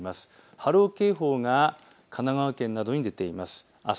波浪警報が神奈川県などに出ています。